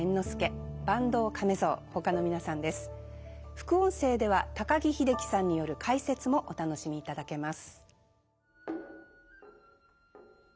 副音声では高木秀樹さんによる解説もお楽しみいただけます。